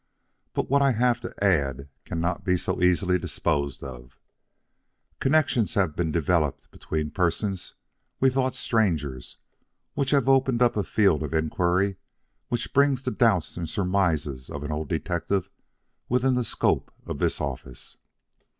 But what I have to add cannot be so easily disposed of. Connections have developed between persons we thought strangers which have opened up a field of inquiry which brings the doubts and surmises of an old detective within the scope of this office.